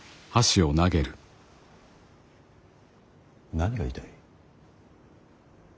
何が言いたい。